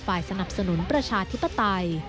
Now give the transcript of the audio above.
สนับสนุนประชาธิปไตย